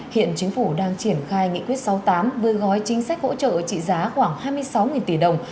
hiện chính phủ đang triển khai nghị quyết sáu mươi tám với gói chính sách hỗ trợ trị giá khoảng hai mươi sáu tỷ đồng